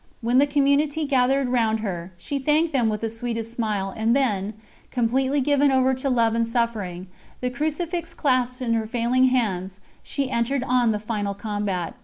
When the Community gathered round her, she thanked them with the sweetest smile, and then, completely given over to love and suffering, the Crucifix clasped in her failing hands, she entered on the final combat.